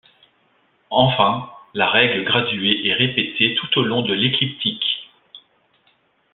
Enfin, la règle graduée est répétée tout au long de l'écliptique.